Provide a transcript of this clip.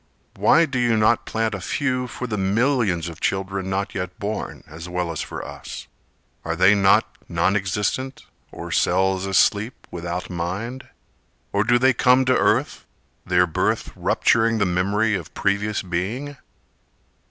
Why do you not plant a few For the millions of children not yet born, As well as for us? Are they not non existent, or cells asleep Without mind? Or do they come to earth, their birth Rupturing the memory of previous being?